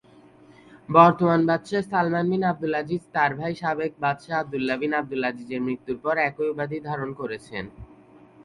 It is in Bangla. বর্তমান বাদশাহ সালমান বিন আবদুল আজিজ তার ভাই সাবেক বাদশাহ আবদুল্লাহ বিন আবদুল আজিজের মৃত্যুর পর একই উপাধি ধারণ করেছেন।